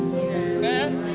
ben saya lewat turun